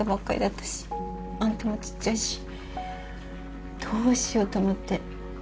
あんたもちっちゃいしどうしようと思って。